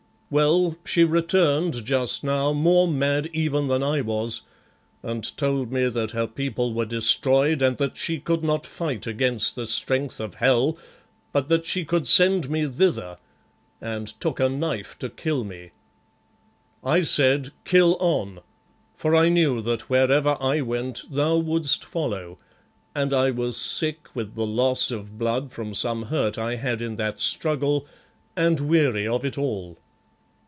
Well, she returned just now more mad even than I was, and told me that her people were destroyed and that she could not fight against the strength of hell, but that she could send me thither, and took a knife to kill me. "I said, 'Kill on,' for I knew that wherever I went thou wouldst follow, and I was sick with the loss of blood from some hurt I had in that struggle, and weary of it all.